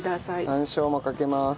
山椒もかけます。